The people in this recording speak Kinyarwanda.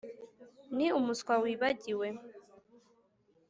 ni umuswa wibagiwe.